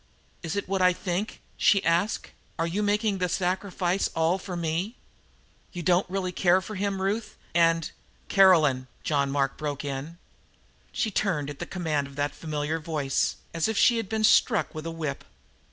"Is it what I think?" she asked. "Are you making the sacrifice all for me? You don't really care for him, Ruth, and " "Caroline!" broke in John Mark. She turned at the command of that familiar voice, as if she had been struck with a whip.